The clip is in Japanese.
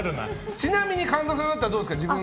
ちなみに神田さんだったらどうですか？